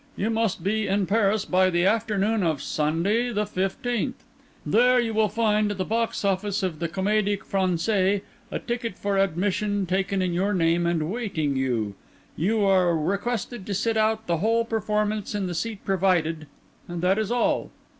You must be in Paris by the afternoon of Sunday, the 15th; there you will find, at the box office of the Comédie Française, a ticket for admission taken in your name and waiting you. You are requested to sit out the whole performance in the seat provided, and that is all."